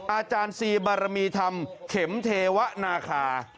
อาจารย์ซีบารมีธรรมเข็มเทวะนาคา